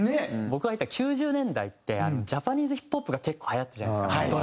僕が入った９０年代ってジャパニーズヒップホップが結構はやったじゃないですか。